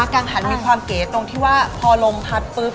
กังหันมีความเก๋ตรงที่ว่าพอลมพัดปุ๊บ